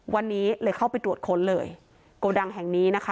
วันนี้เลยเข้าไปตรวจค้นเลยโกดังแห่งนี้นะคะ